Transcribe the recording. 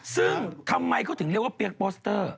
ซึ่งทำไมเขาถึงเรียกว่าเปี๊ยกโปสเตอร์